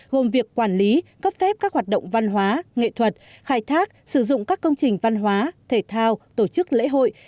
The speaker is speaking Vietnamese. gồm việc quản lý cấp phép các hoạt động văn hóa nghệ thuật khai thác sử dụng các công trình văn hóa thể thao tổ chức lễ hội